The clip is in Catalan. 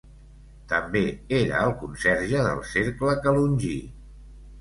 També era el conserge del Cercle Calongí.